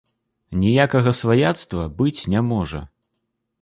Ніякага сваяцтва быць не можа.